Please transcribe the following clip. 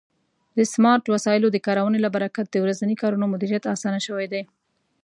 د سمارټ وسایلو د کارونې له برکت د ورځني کارونو مدیریت آسانه شوی دی.